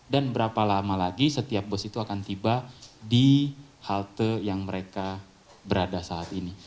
dan berapa lama lagi setiap bus itu akan tiba di halte yang mereka berada saat ini